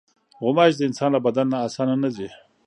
غوماشې د انسان له بدن نه اسانه نه ځي.